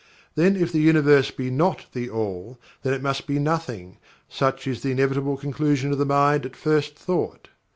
Then if the Universe be not THE ALL, then it must be Nothing such is the inevitable conclusion of the mind at first thought.